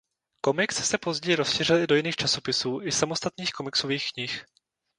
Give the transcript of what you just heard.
Komiks se později rozšířil i do jiných časopisů i samostatných komiksových knih.